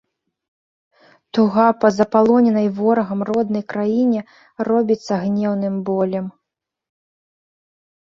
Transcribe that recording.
Туга па запалоненай ворагам роднай краіне робіцца гнеўным болем.